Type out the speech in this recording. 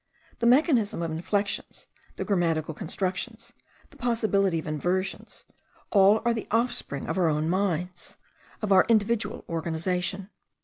The mechanism of inflections, the grammatical constructions, the possibility of inversions, all are the offspring of our own minds, of our individual organization.